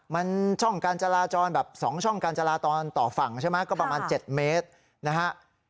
มันช่องการจราจรแบบ๒ช่องการจราจรต่อฝั่งใช่ไหมก็ประมาณ๗เมตรนะฮะ